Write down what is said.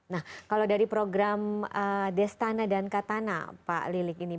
nah kalau dari program destana dan katana pak lilik ini